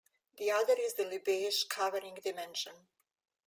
The other is the Lebesgue covering dimension.